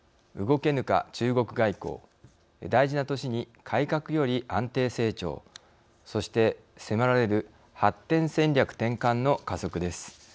動けぬか中国外交大事な年に改革より安定成長そして迫られる発展戦略転換の加速です。